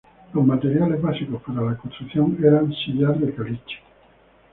Los materiales básicos para la construcción eran sillar de caliche.